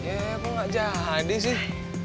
ya kok gak jadi sih